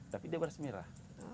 tapi dia beras merah